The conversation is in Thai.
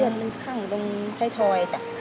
หนึ่งข้างตรงไทยทอยจ้ะ